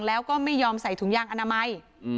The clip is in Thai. แล้วก็ไม่ยอมใส่ถุงยางอนามัย